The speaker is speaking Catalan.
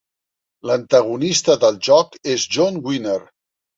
L'antagonista del joc és John Winner.